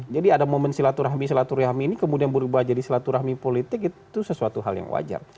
jadi ada momen silaturahmi silaturahmi ini kemudian berubah jadi silaturahmi politik itu sesuatu hal yang wajar